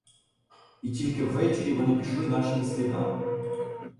І тільки ввечері вони пішли нашими слідами.